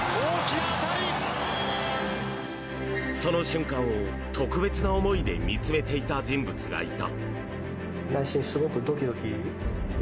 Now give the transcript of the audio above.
その瞬間を、特別な思いで見つめていた人物がいた。